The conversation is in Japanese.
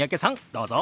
どうぞ！